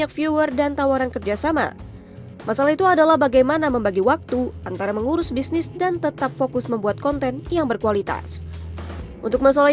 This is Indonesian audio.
anda menjadi brand sendiri dan anda bisa menggunakannya untuk melakukan peluang marketing yang aman